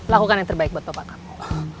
lakukan yang terbaik buat bapak kamu